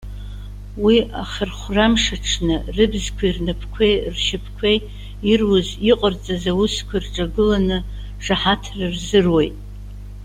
Уи, ахьырхәра амш аҽны, рыбзқәеи, рнапқәеи, ршьапқәеи, ируыз, иҟарҵаз аусқәа рҿагыланы шаҳаҭра рзыруеит.